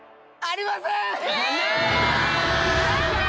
ありません！